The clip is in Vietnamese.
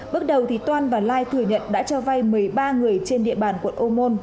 bước đầu toan và lai thừa nhận đã cho vay một mươi ba người trên địa bàn quận ô môn